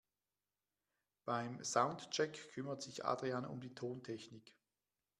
Beim Soundcheck kümmert sich Adrian um die Tontechnik.